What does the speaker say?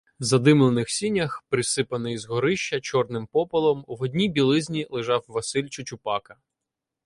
В задимлених сінях, присипаний із горища чорним попелом, в одній білизні лежав Василь Чучупака.